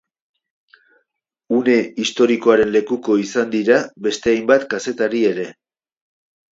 Une historikoaren lekuko izan dira beste hainbat kazetari ere.